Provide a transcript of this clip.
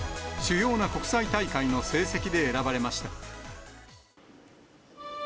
主要な国際大会の成績で選ばれました。